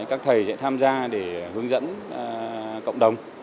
các thầy sẽ tham gia để hướng dẫn cộng đồng